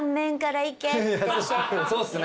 そうっすね